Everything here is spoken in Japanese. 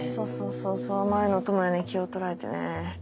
そうそう前野朋哉に気を取られてね。